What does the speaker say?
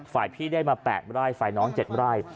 ฝ่ายพี่ได้มาแปลกไล่ฝ่ายน้องเจ็ดไล่